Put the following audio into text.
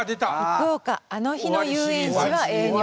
「福岡あの日の遊園地は永遠に」。